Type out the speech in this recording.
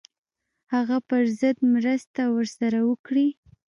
هغه پر ضد مرسته ورسره وکړي.